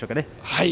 はい。